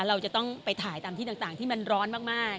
เราจะต้องไปถ่ายตามที่ต่างที่มันร้อนมาก